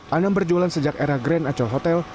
anang berjualan sejak era grand achor hotel